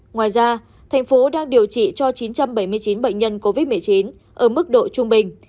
ngoài ra thành phố đang điều trị cho chín trăm bảy mươi chín bệnh nhân covid một mươi chín ở mức độ trung bình